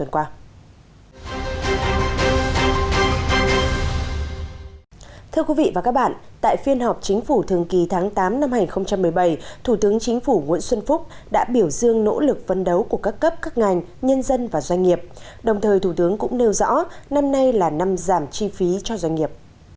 thưa quý vị và các bạn tại phiên họp chính phủ thường kỳ tháng tám năm hai nghìn một mươi bảy thủ tướng chính phủ nguyễn xuân phúc đã biểu dương nỗ lực phân đấu của các cấp các ngành nhân dân và doanh nghiệp đồng thời thủ tướng cũng nêu rõ năm nay là năm giảm chi phí cho doanh nghiệp